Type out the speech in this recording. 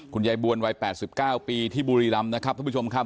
ยายบวนวัย๘๙ปีที่บุรีรำนะครับท่านผู้ชมครับ